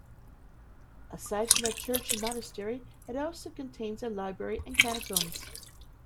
Aside from a church and monastery it also contains a library and catacombs.